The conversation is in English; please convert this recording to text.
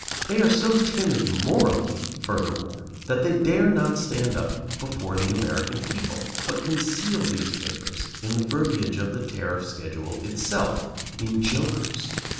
They are so timid morally, furthermore, that they dare not stand up before the American people, but conceal these favors in the verbiage of the tariff schedule itself, in "jokers."